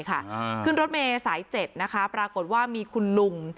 มากขึ้นรศมีสายเจ็ดนะคะปรากฏว่ามีคุณลุง